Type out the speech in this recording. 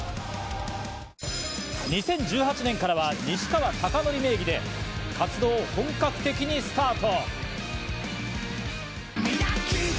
２０１８年からは西川貴教名義で活動を本格的にスタート。